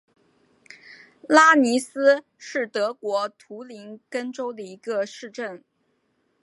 拉尼斯是德国图林根州的一个市镇。